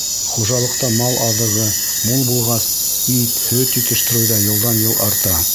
Хужалыҡта мал аҙығы мул булғас, ит, һөт етештереү ҙә йылдан-йыл арта.